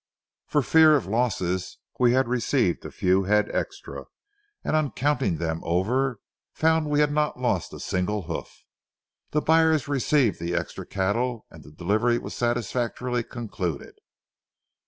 For fear of losses, we had received a few head extra, and, on counting them over, found we had not lost a single hoof. The buyers received the extra cattle, and the delivery was satisfactorily concluded.